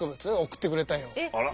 あら。